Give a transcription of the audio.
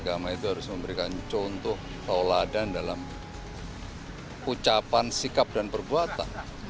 pemimpin agama itu harus memberikan contoh keolah dan dalam ucapan sikap dan perbuatan